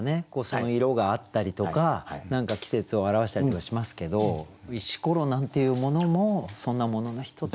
その色があったりとか何か季節を表したりとかしますけど「石ころ」なんていうものもそんなものの一つだなってね。